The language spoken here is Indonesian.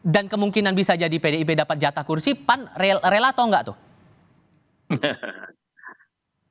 dan kemungkinan bisa jadi pdip dapat jatah kursi pan rela atau enggak tuh